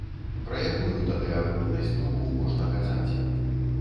Пра якую тады агульнасць духу можна казаць?